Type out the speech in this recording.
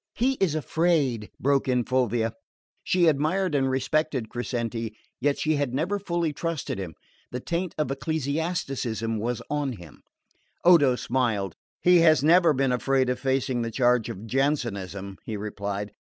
"He is afraid!" broke from Fulvia. She admired and respected Crescenti, yet she had never fully trusted him. The taint of ecclesiasticism was on him. Odo smiled. "He has never been afraid of facing the charge of Jansenism," he replied.